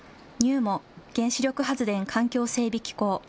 ＮＵＭＯ・原子力発電環境整備機構。